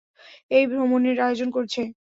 এই ভ্রমনের আয়োজন করেছে।